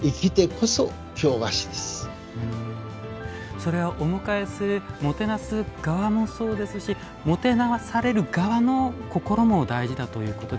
それはお迎えするもてなす側もそうですしもてなされる側の心も大事だということでしょうか。